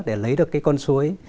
để lấy được cái con suối